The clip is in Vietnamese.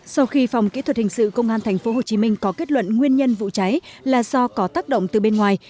sau khi phòng kỹ thuật hình sự công an tp hcm có kết luận nguyên nhân vụ cháy là do có tác động từ bên ngoài